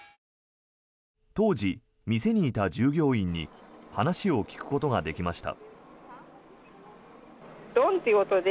当時、店にいた従業員に話を聞くことができました。